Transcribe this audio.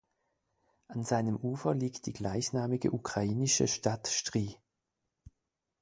An seinem Ufer liegt die gleichnamige ukrainische Stadt Stryj.